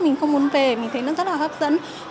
mình không muốn về mình thấy nó rất là hấp dẫn